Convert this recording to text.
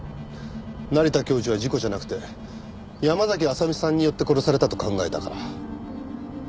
成田教授は事故じゃなくて山嵜麻美さんによって殺されたと考えたから。